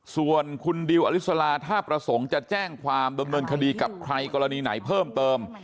ส่วนคุณดิวอลิสลาถ้าประสงค์จะแจ้งความดำเนินคดีกับใครกรณีไหนเพิ่มเติม